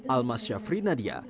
almas syafri nadia